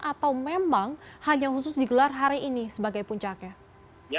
atau memang hanya khusus digelar hari ini sebagai puncaknya